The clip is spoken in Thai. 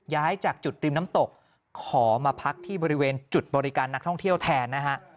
ย้ายจากจุดริมน้ำตกขอมาพักที่บริเวณจุดบริการนักท่องเที่ยวแทนนะฮะ